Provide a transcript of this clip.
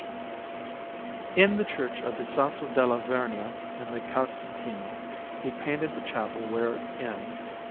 Panel_)] In the Church of the Sasso della Vernia in the Casentino he painted the chapel wherein S.